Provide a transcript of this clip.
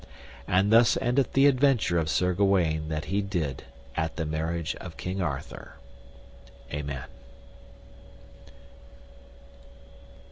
And thus endeth the adventure of Sir Gawaine that he did at the marriage of King Arthur. Amen.